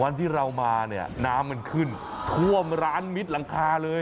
วันที่เรามาเนี่ยน้ำมันขึ้นท่วมร้านมิดหลังคาเลย